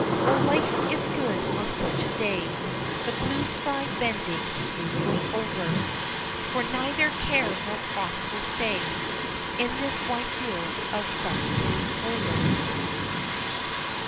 Oh, life is good on such a day, The blue sky bending smoothly over, For neither care nor cross will stay, In this wide field of sun kissed clover.